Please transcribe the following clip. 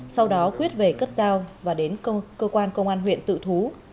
sau đó quyết về cất giao và đến cơ quan công an huyện tự thú